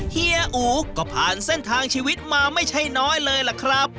เฮียอูก็ผ่านเส้นทางชีวิตมาไม่ใช่น้อยเลยล่ะครับ